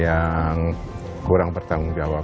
yang kurang bertanggung jawab